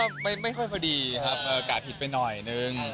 ก็ไม่ค่อยพอดีครับกะผิดไปหน่อยนึง